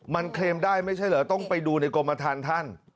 มันเคลมได้ไม่ใช่เหรอต้องไปดูในกรมฐานท่าน